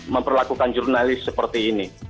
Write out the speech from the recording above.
memperlakukan jurnalis seperti ini